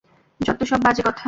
যত্তসব বাজে কথা!